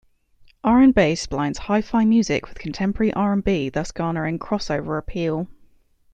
RnBass blends hyphy music with contemporary R and B, thus garnering crossover appeal.